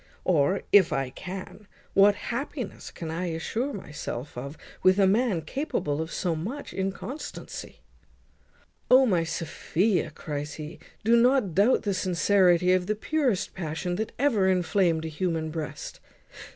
Or, if I can, what happiness can I assure myself of with a man capable of so much inconstancy?" "O! my Sophia," cries he, "do not doubt the sincerity of the purest passion that ever inflamed a human breast.